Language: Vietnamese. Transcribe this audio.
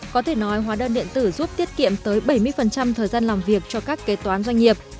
có thể nói hóa đơn điện tử giúp tiết kiệm tới bảy mươi thời gian làm việc cho các kế toán doanh nghiệp